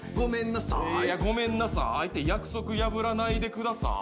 ごめんなさいって約束やぶらないでください。